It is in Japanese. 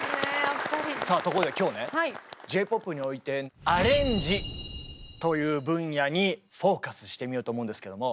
さあところで今日ねＪ−ＰＯＰにおいてアレンジという分野にフォーカスしてみようと思うんですけども。